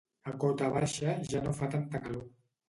A cota baixa ja no fa tanta calor.